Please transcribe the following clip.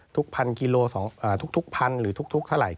ทุกพันกิโลทุกพันธุ์หรือทุกเท่าไหร่